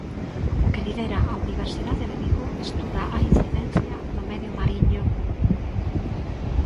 O que lidera a Universidade de Vigo estuda a incidencia no medio mariño.